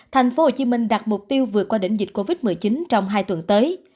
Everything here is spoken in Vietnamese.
tp hcm đặt mục tiêu vượt qua đỉnh dịch covid một mươi chín trong hai tuần tới